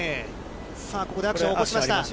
さあ、ここでアクションを起こしました。